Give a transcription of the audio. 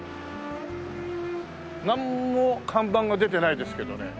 なんも看板が出てないですけどね。